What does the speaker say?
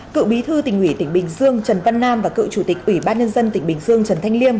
cựu bí thư tỉnh ủy tỉnh bình dương trần văn nam và cựu chủ tịch ủy ban nhân dân tỉnh bình dương trần thanh liêm